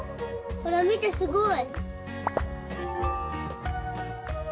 ほら見てすごい。